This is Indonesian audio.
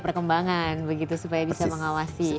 perkembangan begitu supaya bisa mengawasi